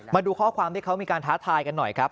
มาดูข้อความที่เขามีการท้าทายกันหน่อยครับ